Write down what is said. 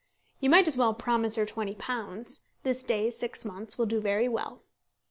"You might as well promise her £20. This day six months will do very well."